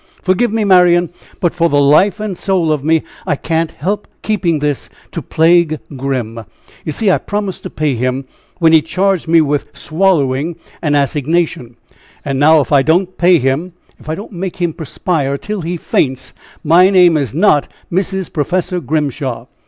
Forgive me, Marian, but for the life and soul of me, I can't help keeping this to plague Grim! You see, I promised to pay him when he charged me with swallowing an assignation, and now if I don't pay him, if I don't make him perspire till he faints, my name is not Mrs. Professor Grimshaw!